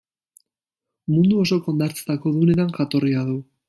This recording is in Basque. Mundu osoko hondartzetako dunetan jatorria du.